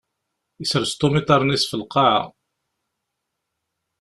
Isres Tom iḍaṛṛen-is ɣef lqaɛa.